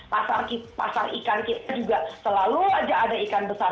pasar ikan kita juga selalu saja ada ikan besar